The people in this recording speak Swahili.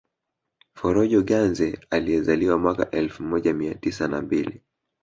Forojo Ganze aliyezaliwa mwaka elfu moja mia tisa na mbili